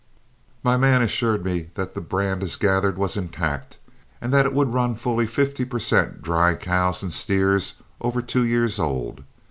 My man assured me that the brand as gathered was intact and that it would run fifty per cent dry cows and steers over two years old.